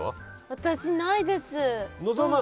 私ないです。